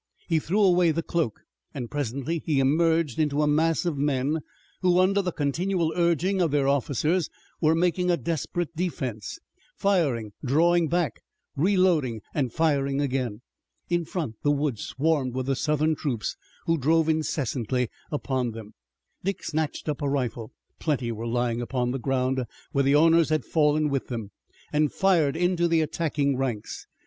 He threw away the cloak and presently he emerged into a mass of men, who, under the continual urging of their officers, were making a desperate defense, firing, drawing back, reloading and firing again. In front, the woods swarmed with the Southern troops who drove incessantly upon them. Dick snatched up a rifle plenty were lying upon the ground, where the owners had fallen with them and fired into the attacking ranks.